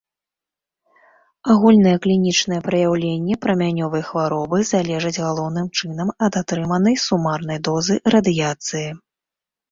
Агульныя клінічныя праяўленні прамянёвай хваробы залежаць галоўным чынам ад атрыманай сумарнай дозы радыяцыі.